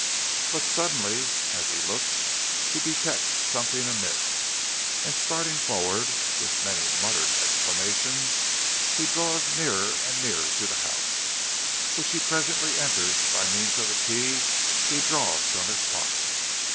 But suddenly, as he looks, he detects something amiss, and starting forward, with many muttered exclamations, he draws nearer and nearer to the house, which he presently enters by means of the key he draws from his pocket.